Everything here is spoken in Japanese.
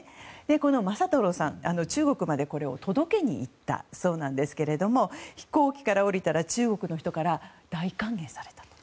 この昌太郎さんは中国までこれを届けに行ったそうですけど飛行機から降りたら中国の人から大歓迎されたと。